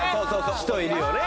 人いるよね